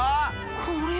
これは。